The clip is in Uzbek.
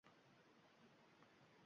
Ozod bo’lib qol».